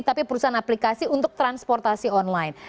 tapi perusahaan aplikasi untuk transportasi online